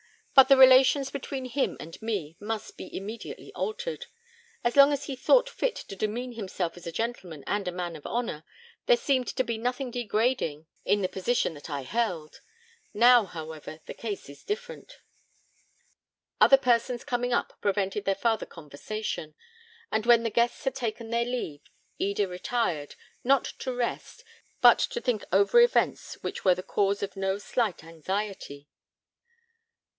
But the relations between him and me must be immediately altered. As long as he thought fit to demean himself as a gentleman and a man of honour, there seemed to be nothing degrading in the position that I held. Now, however, the case is different." Other persons coming up prevented their farther conversation; and when the guests had taken their leave, Eda retired, not to rest, but to think over events which were the cause of no slight anxiety.